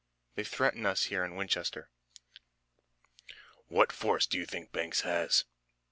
They threaten us here in Winchester." "What force do you think Banks has?"